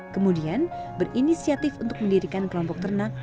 kemudian berinisiatif untuk mendirikan kelompok ternak